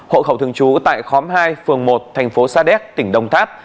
hộ khẩu thường trú tại khóm hai phường một thành phố sa đéc tỉnh đông tháp